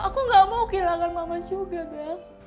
aku tidak mau kehilangan mama juga bella